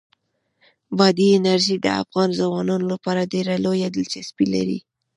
بادي انرژي د افغان ځوانانو لپاره ډېره لویه دلچسپي لري.